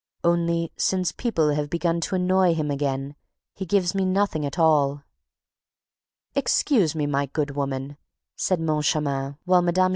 Only, since people have begun to annoy him again, he gives me nothing at all. "Excuse me, my good woman," said Moncharmin, while Mme.